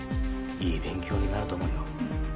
いい勉強になると思うよ。